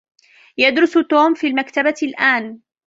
يدرس توم في المكتبة الآن.